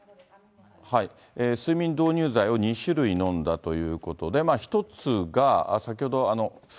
睡眠導入剤を２種類飲んだということで、１つが先ほど。